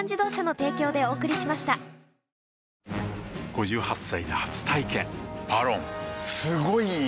５８歳で初体験「ＶＡＲＯＮ」すごい良い！